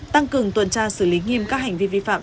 tăng cường tuần tra xử lý nghiêm các hành vi vi phạm